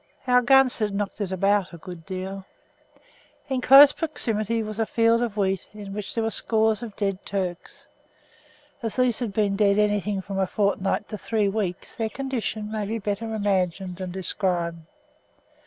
Our guns had knocked it about a good deal. In close proximity was a field of wheat, in which there were scores of dead Turks. As these had been dead anything from a fortnight to three weeks their condition may be better imagined than described.